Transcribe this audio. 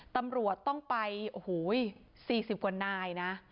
ตำรวจต้องไป๔๐กว่านายนะ